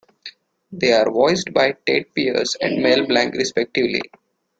They are voiced by Tedd Pierce and Mel Blanc respectively.